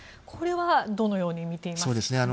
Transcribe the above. これはどのように見ていますか？